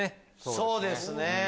そうですね。